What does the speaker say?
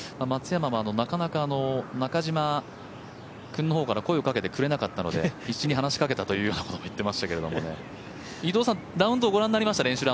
松山はなかなか中島君の方から声をかけてくれなかったので必死に話しかけたということも言っていましたけれどもラウンド、御覧になりましたか？